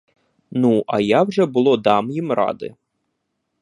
Ну, а я вже було дам їм ради!